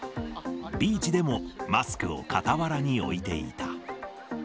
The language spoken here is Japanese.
ビーチでもマスクを傍らに置いていた。